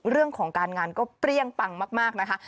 เรื่องของการงานก็เปรี้ยงปังมากนะคะ